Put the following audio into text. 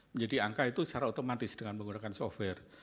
menjadi angka itu secara otomatis dengan menggunakan software